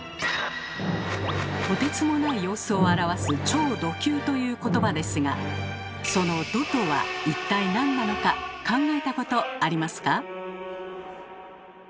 とてつもない様子を表す「超ド級」ということばですがその「ド」とは一体なんなのか考えたことありますか？